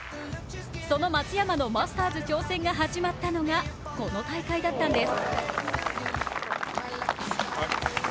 その松山のマスターズ挑戦が始まったのがこの大会だったんです。